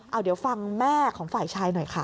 เอาเดี๋ยวฟังแม่ของฝ่ายชายหน่อยค่ะ